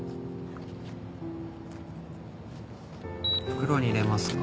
袋に入れますか？